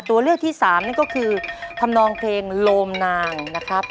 ตัวเลือกที่สามนั่นก็คือทำนองเพลงโลมนางนะครับ